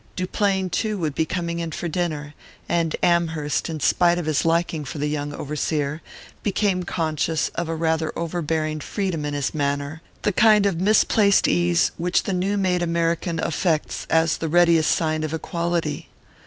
Duplain, too, would be coming in for dinner; and Amherst, in spite of his liking for the young overseer, became conscious of a rather overbearing freedom in his manner, the kind of misplaced ease which the new made American affects as the readiest sign of equality.